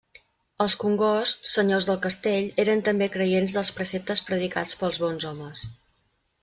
Els Congost, senyors del castell, eren també creients dels preceptes predicats pels Bons Homes.